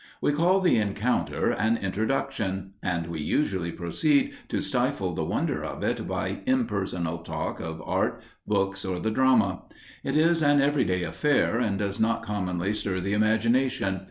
We call the encounter an introduction, and we usually proceed to stifle the wonder of it by impersonal talk of art, books or the drama. It is an every day affair and does not commonly stir the imagination.